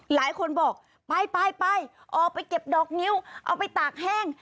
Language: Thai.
หลายคนบอกไปไปออกไปเก็บดอกนิ้วเอาไปตากแห้ง